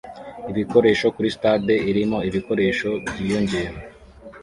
ibikoresho kuri stade irimo ibikoresho byiyongera